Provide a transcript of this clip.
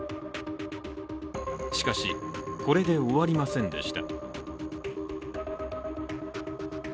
しかし、これで終わりませんでした。